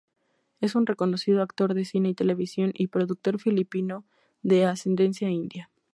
Es un reconocido actor de cine y televisión y productor filipino de ascendencia india.